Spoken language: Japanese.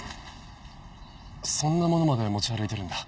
そんなものまで持ち歩いてるんだ。